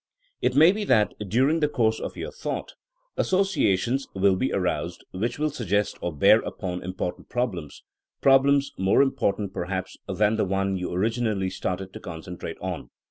It may be that during the course of your thought associations will be aroused which will suggest or bear upon important problems, problems more important perhaps than the one you orig inally started to concentrate on.